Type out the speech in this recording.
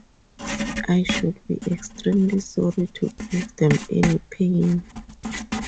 I should be extremely sorry to give them any pain.